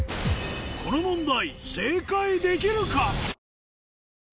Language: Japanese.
この問題